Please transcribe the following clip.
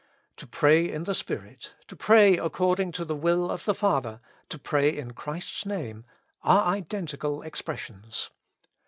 To pray in the Spirit, to pray according to the will of the Father, to pray in Chris fs namCy are identical ex pressions.